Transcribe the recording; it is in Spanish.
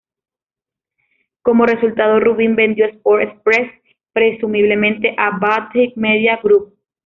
Como resultado, Rubin vendió Sport-Express presumiblemente a Baltic Media Group.